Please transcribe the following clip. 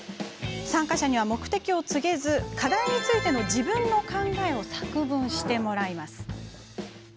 参加者には、目的を告げずに課題についての自分の考えを作文してもらいます。